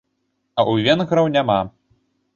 А у венграў няма!